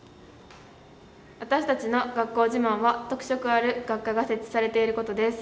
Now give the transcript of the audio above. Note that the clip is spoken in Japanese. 私たちの学校自慢は、特色ある学科が設置されていることです。